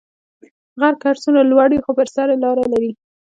غر که هر څونده لوړ یی خو پر سر لاره لری